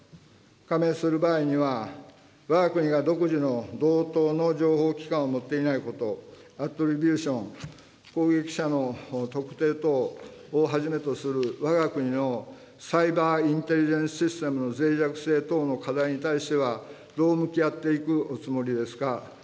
加盟する場合には、わが国が独自の同等の情報機関を持っていないこと、アトリビューション、攻撃者の特定等をはじめとするわが国のサイバーインテリジェンスシステムのぜい弱性等の課題に対しては、どう向き合っていくおつもりですか。